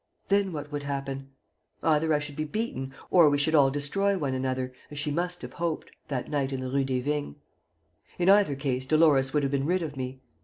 Then what would happen? Either I should be beaten or we should all destroy one another, as she must have hoped, that night in the Rue des Vignes. In either case Dolores would have been rid of me.